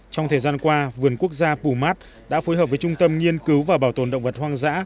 trong thời gian qua vườn quốc gia pumat đã phối hợp với trung tâm nhiên cứu và bảo tồn động vật hoang dã